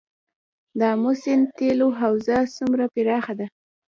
د امو سیند تیلو حوزه څومره پراخه ده؟